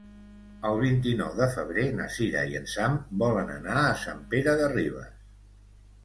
El vint-i-nou de febrer na Cira i en Sam volen anar a Sant Pere de Ribes.